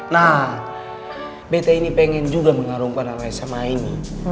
nah bete ini pengen juga mengarungkan sama sma ini